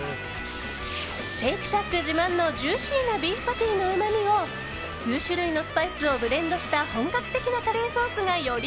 シェイクシャック自慢のジューシーなビーフパティのうまみを数種類のスパイスをブレンドした本格的なカレーソースがより